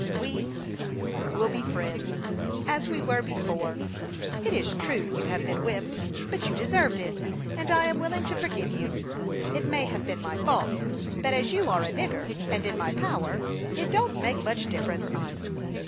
We will be friends, as we were before. It is true you have been whipped; but you deserved it, and I am willing to forgive you. It may have been my fault, but as you are a nigger, and in my power, it don't make much difference."